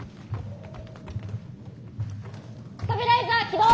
スタビライザー起動！